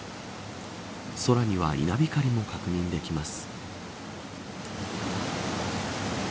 空には稲光も確認できます。